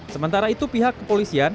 sementara itu pihak kepolisian